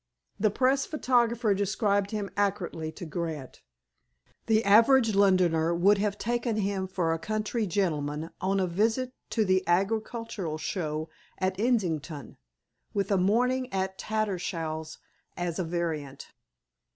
The press photographer described him accurately to Grant. The average Londoner would have taken him for a county gentleman on a visit to the Agricultural Show at Islington, with a morning at Tattersall's as a variant.